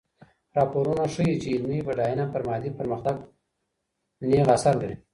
راپورونه ښيي چي علمي بډاينه پر مادي پرمختګ نېغ اثر لري.